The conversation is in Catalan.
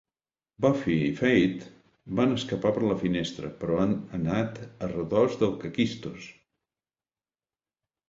Buffy i Faith van escapar per la finestra, però han anat al redós del Kakistos.